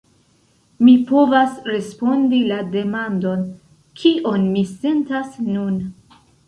Mi povas respondi la demandon: kion mi sentas nun?